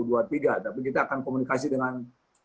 u dua puluh tiga tapi kita akan komunikasi dengan